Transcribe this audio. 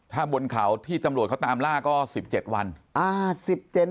ถ้าบนเขาที่ตำรวจเขาตามล่าก็๑๗วัน